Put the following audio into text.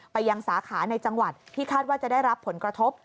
ไปยังสาขาในจังหวัดที่คาดว่าจะได้รับผลกระทบ